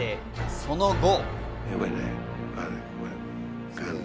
その後。